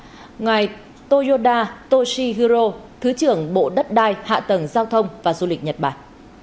và ngài toyoda toshihiro thứ trưởng bộ đất đai hạ tầng giao thông và du lịch nhật bản